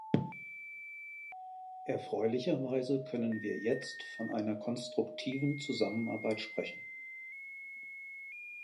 Erfreulicherweise können wir jetzt von einer konstruktiven Zusammenarbeit sprechen.